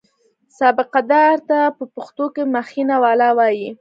سابقه دار ته په پښتو کې مخینه والا وایي.